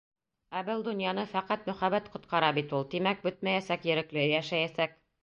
Ә был донъяны фәҡәт мөхәббәт ҡотҡара бит ул. Тимәк, бөтмәйәсәк Ерекле, йәшәйәсәк!